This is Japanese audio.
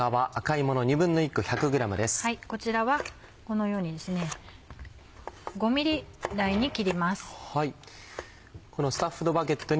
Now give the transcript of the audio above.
こちらはこのように５ｍｍ大に切ります。